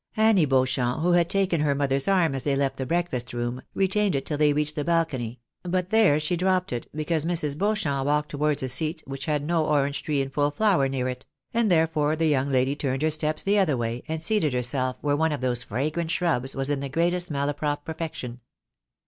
Annie Beauchamp, who had taken her mother's arm as they left the breakfast room, retained it till they reached the bal cony : but there she dropped it, because Mrs. Beauchamp walked towards a seat which had no orange tree in full flower near it ; and therefore the young lady turned her steps the other way, and seated herself where one of those fragrant shrubs was in the greatest Malaprop perfection.